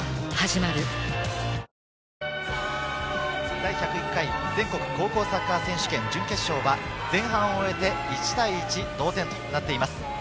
第１０１回全国高校サッカー選手権準決勝は、前半を終えて１対１、同点となっています。